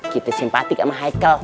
kita simpatik sama haikal